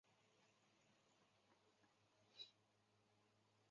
唐玄宗天宝元年新安州改为苏茂郡。